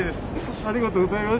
ありがとうございます。